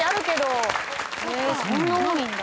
そんな多いんだ。